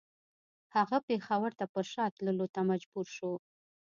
هغه پېښور ته پر شا تللو ته مجبور شو.